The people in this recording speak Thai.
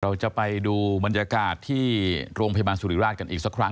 เราจะไปดูบรรยากาศที่โรงพยาบาลสุริราชกันอีกสักครั้ง